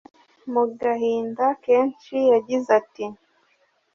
Mu gahinda kenshi yagize ati